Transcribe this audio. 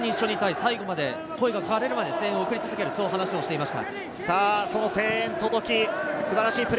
最後まで声が枯れるまで声援を送り続けると話をしていました。